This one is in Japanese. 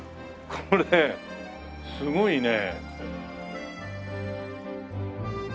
これすごいね。